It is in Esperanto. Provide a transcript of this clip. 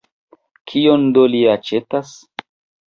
Kion do li aĉetas?